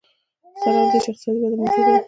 سره له دې چې اقتصادي وده موجوده وه.